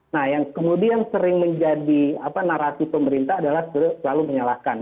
nah yang kemudian sering menjadi narasi pemerintah adalah selalu menyalahkan